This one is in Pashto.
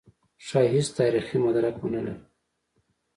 ښايي هېڅ تاریخي مدرک ونه لري.